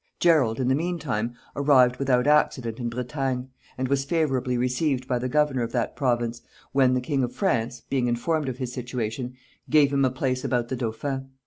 Gerald, in the mean time, arrived without accident in Bretagne, and was favorably received by the governor of that province, when the king of France, being informed of his situation, gave him a place about the dauphin.